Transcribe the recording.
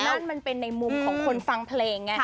นั่นมันเป็นในมุมของคนฟังเพลงไง